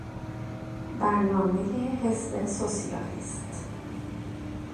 برنامهی حزب سوسیالیست